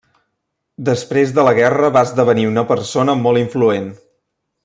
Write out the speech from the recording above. Després de la guerra va esdevenir una persona molt influent.